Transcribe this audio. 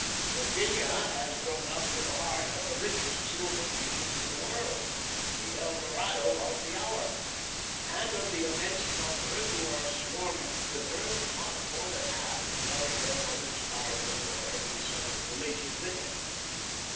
Virginia has grown up in the heart of the richest silver regions in the world, the El Dorado of the hour; and of the immense numbers who are swarming thither not more than half carry their mother's Bible or any settled religion with them.